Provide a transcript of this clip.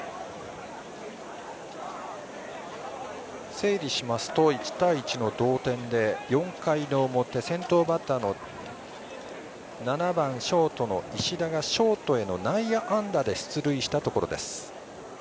整理しますと１対１の同点で４回の表先頭バッターの７番・ショートの石田がショートへの内野安打で出塁したところです。